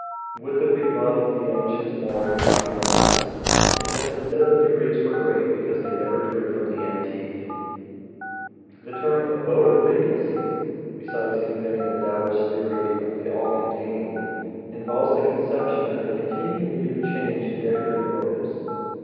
Would that we loved the ancients more and copied them less! It has been said that the Greeks were great because they never drew from the antique. The term, Abode of Vacancy, besides conveying the Taoist theory of the all containing, involves the conception of a continued need of change in decorative motives.